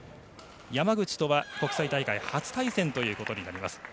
山口とは、国際大会初対戦となります。